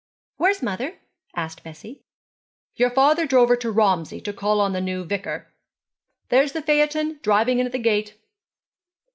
'Where's mother?' asked Bessie. 'Your father drove her to Romsey to call on the new vicar. There's the phaeton driving in at the gate.'